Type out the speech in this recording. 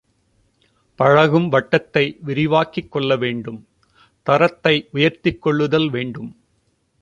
பழகும் வட்டத்தை விரிவாக்கிக் கொள்ள வேண்டும், தரத்தை உயர்த்திக் கொள்ளுதல் வேண்டும்.